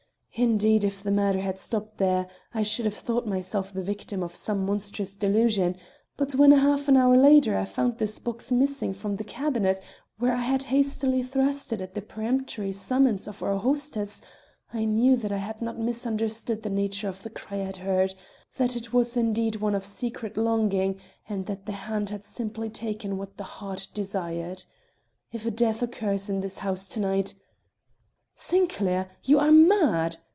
Indeed, if the matter had stopped there, I should have thought myself the victim of some monstrous delusion; but when a half hour later I found this box missing from the cabinet where I had hastily thrust it at the peremptory summons of our hostess, I knew that I had not misunderstood the nature of the cry I had heard; that it was indeed one of secret longing, and that the hand had simply taken what the heart desired. If a death occurs in this house to night " "Sinclair, you are mad!"